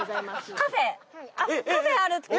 カフェあるって！